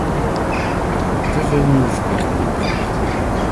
Er worden te veel nieuwe verplichtingen opgelegd.